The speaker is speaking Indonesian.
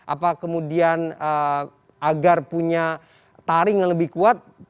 apa kemudian agar punya taring yang lebih kuat